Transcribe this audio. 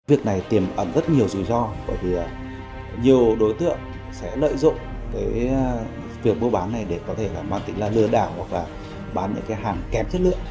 việc này tiềm ẩn rất nhiều rủi ro bởi vì nhiều đối tượng sẽ lợi dụng cái việc mua bán này để có thể là mang tính là lừa đảo hoặc là bán những cái hàng kém chất lượng